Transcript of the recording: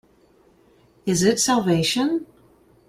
Is it salvation?